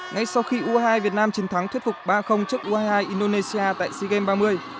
ngay sau khi u hai mươi hai việt nam chiến thắng thuyết phục ba trước u hai mươi hai indonesia tại sea games ba mươi